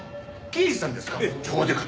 刑事さんですか。